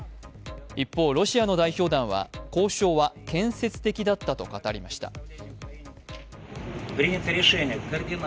一方、ロシアの代表団は交渉は建設的だったと語りました。